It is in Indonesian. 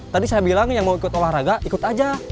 tadi saya bilang yang mau ikut olahraga ikut aja